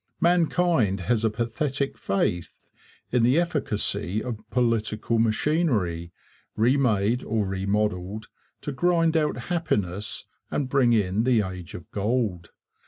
Mankind has a pathetic faith in the efficacy of political machinery, remade or remodelled, to grind out happiness and bring in the Age of Gold.